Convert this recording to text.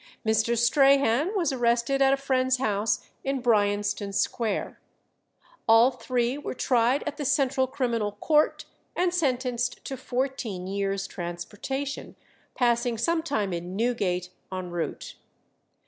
Mr. Strahan was arrested at a friend's house in Bryanston Square. All three were tried at the Central Criminal Court, and sentenced to fourteen years' transportation, passing some time in Newgate en route.